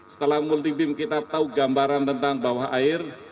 setelah multi beam kita tahu gambaran tentang bawah air